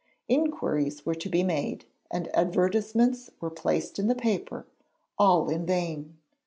Inquiries were made and advertisements were placed in the paper; all in vain.